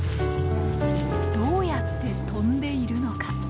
どうやって飛んでいるのか？